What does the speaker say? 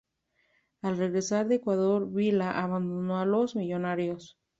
Al regresar de Ecuador, Vila abandonó a los "Millonarios".